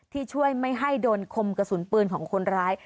ที่ช่วยไม่ให้โดนคมกระสุนปืนของคนร้าย